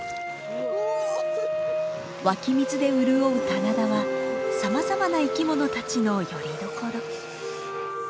湧き水で潤う棚田はさまざまな生き物たちのよりどころ。